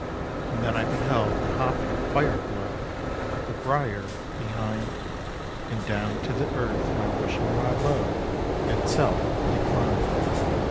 And then I beheld the hopping fire glow The briar behind; And down to the earth my wishing rod low Itself declin'd.